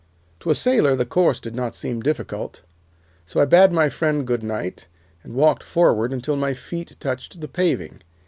"To a sailor the course did not seem difficult, so I bade my friend goodnight and walked forward until my feet touched the paving.